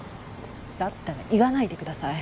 だったら言わないでください。